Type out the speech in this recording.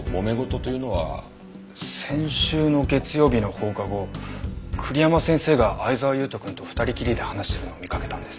先週の月曜日の放課後栗山先生が沢悠斗くんと２人きりで話しているのを見かけたんです。